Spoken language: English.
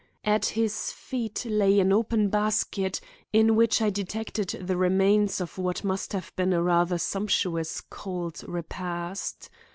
At his feet lay an open basket, in which I detected the remains of what must have been a rather sumptuous cold repast.